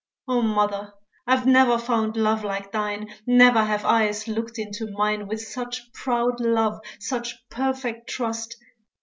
Oh, mother, I've never found love like thine, Never have eyes looked into mine With such proud love, such perfect trust.